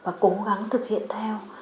và cố gắng thực hiện theo